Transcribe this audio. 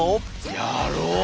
やろう！